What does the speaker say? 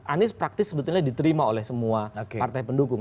anies praktis sebetulnya diterima oleh semua partai pendukung